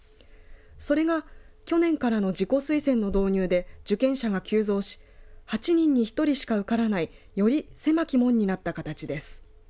それが去年からの自己推薦の導入で受験者が急増し８人に１人しか受からないより狭き門になった形です。